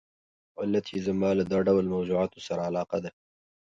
علت یې زما له دا ډول موضوعاتو سره علاقه ده.